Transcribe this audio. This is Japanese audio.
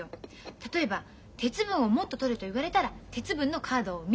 例えば鉄分をもっととれと言われたら鉄分のカードを見る。